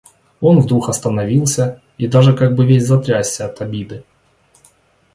Он вдруг остановился и даже как бы весь затрясся от обиды.